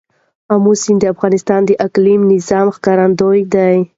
آمو سیند د افغانستان د اقلیمي نظام ښکارندوی ده.